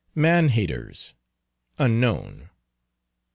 Man haters, unknown.